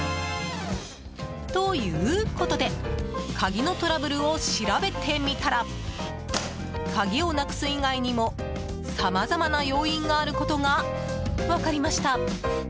ということで鍵のトラブルを調べてみたら鍵をなくす以外にもさまざまな要因があることが分かりました。